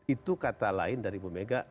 itu kata lain dari bu mega